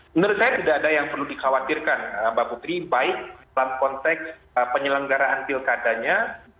menurut saya tidak ada yang perlu dikhawatirkan mbak putri baik dalam konteks penyelenggaraan pilkadanya